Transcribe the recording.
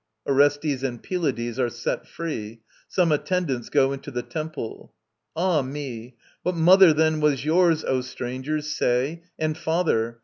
[ORESTES and PYLADES are set free; some ATTENDANTS go into the temple.] Ah me! What mother then was yours, O strangers, say, And father?